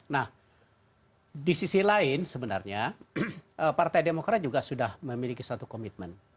nah di sisi lain sebenarnya partai demokrat juga sudah memiliki suatu komitmen